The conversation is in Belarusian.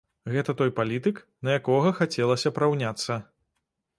Гэта той палітык, на якога хацелася б раўняцца.